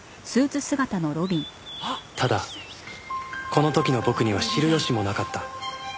ただこの時の僕には知る由もなかった